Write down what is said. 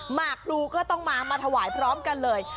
หมากพลูก็ต้องมามาถวายพร้อมกันเลย